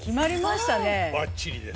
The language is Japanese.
ばっちりです。